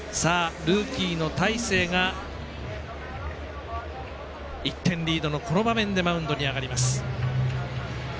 ルーキーの大勢が１点リードのこの場面でマウンドに上がります。